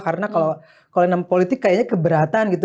karena kalo nam politik kayaknya keberatan gitu